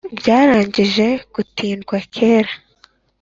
ryarangije gutindwa kare